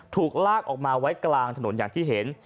ถูกลากออกมาไว้กลางถนนอย่างที่เห็น